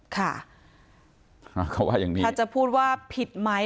ค่ะเขาว่าอย่างนี้ถ้าจะพูดว่าผิดไหม